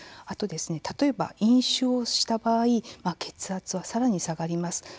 あと例えば飲酒をした場合血圧はさらに下がります。